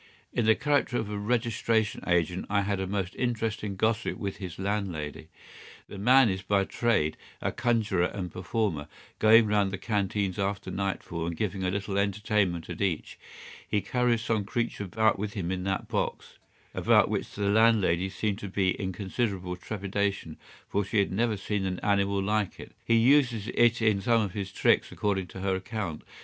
In the character of a registration agent I had a most interesting gossip with his landlady. The man is by trade a conjurer and performer, going round the canteens after nightfall, and giving a little entertainment at each. He carries some creature about with him in that box; about which the landlady seemed to be in considerable trepidation, for she had never seen an animal like it. He uses it in some of his tricks according to her account.